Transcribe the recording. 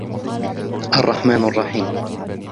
الرَّحْمَٰنِ الرَّحِيمِ